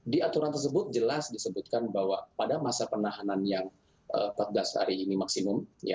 di aturan tersebut jelas disebutkan bahwa pada masa penahanan yang empat belas hari ini maksimum